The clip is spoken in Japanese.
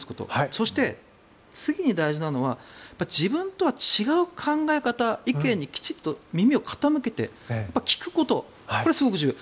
そして、次に大事なのは自分とは違う考え方、意見にきちんと耳を傾けて聞くことこれはすごく重要。